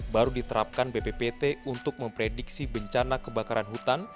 baru diterapkan bppt untuk memprediksi bencana kebakaran hutan